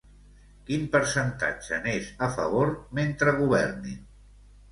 Quin percentatge n'és a favor mentre governin?